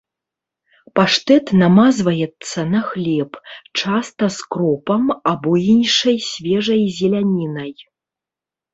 Паштэт намазваецца на хлеб, часта з кропам або іншай свежай зелянінай.